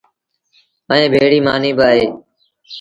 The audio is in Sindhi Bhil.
ائيٚݩٚ ڀيڙيٚ مآݩيٚ با اهي۔